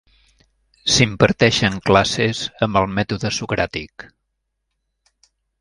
S'imparteixen classes amb el mètode socràtic.